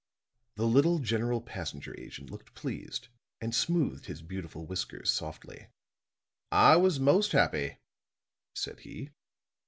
The little General Passenger Agent looked pleased and smoothed his beautiful whiskers softly. "I was most happy," said he.